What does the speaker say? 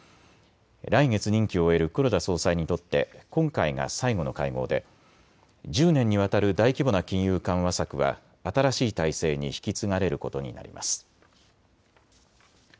来月、任期を終える黒田総裁にとって今回が最後の会合で１０年にわたる大規模な金融緩和策は新しい体制に引き継がれることになります。